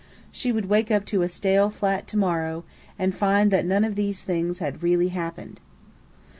She would wake up to a stale, flat to morrow and find that none of these things had really happened.